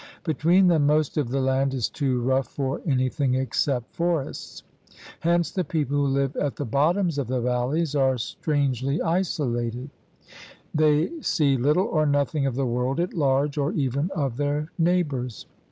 Be tween them most of the land is too rough for any thing except forests. Hence the people who live at the bottoms of the valleys are strangely isolated. 66 THE RED MAN'S CONTINENT They see little or nothing of the world at large or even of their neighbors.